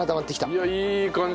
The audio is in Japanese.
いやいい感じ！